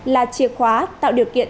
là chìa khóa tạo điều kiện